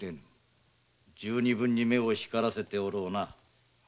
十分に目を光らせておろうな！？